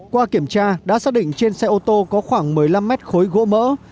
qua kiểm tra đã xác định trên xe ô tô có khoảng một mươi năm mét khối gỗ mỡ